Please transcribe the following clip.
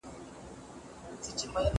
تاریخ پوه د پیښو د استثناوو په لټه کي وي.